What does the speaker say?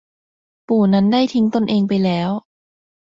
ปู่นั้นได้ทิ้งตนเองไปแล้ว